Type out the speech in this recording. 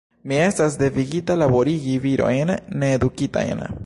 Mi estas devigita laborigi virojn needukitajn.